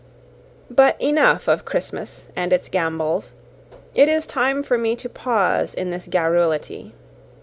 But enough of Christmas and its gambols; it is time for me to pause in this garrulity.